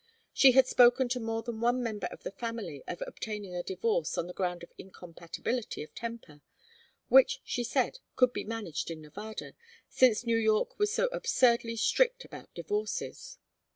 She had spoken to more than one member of the family of obtaining a divorce on the ground of incompatibility of temper, which, she said, could be managed in Nevada, since New York was so absurdly strict about divorces.